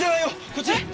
こっち！